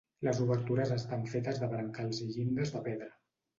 Les obertures estan fetes de brancals i llindes de pedra.